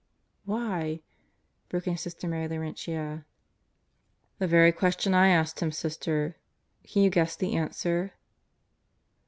" "Why?" broke in Sister Mary Laurentia. "The very question I asked him, Sister. Can you guess the answer?"